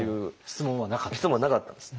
質問はなかったんです。